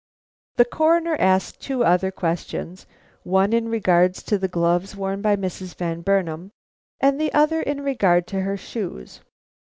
The Coroner asked two other questions, one in regard to the gloves worn by Mrs. Van Burnam, and the other in regard to her shoes.